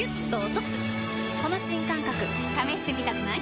この新感覚試してみたくない？